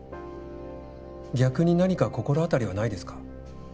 逆に何か心当たりはないですか？